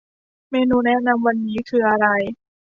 เมนูแนะนำวันนี้คืออะไร